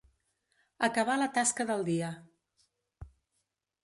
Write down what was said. Acabar la tasca del dia.